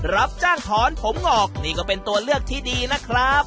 รับจ้างถอนผมงอกนี่ก็เป็นตัวเลือกที่ดีนะครับ